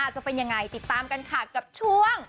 จะเป็นยังไงติดตามกันค่ะกับช่วง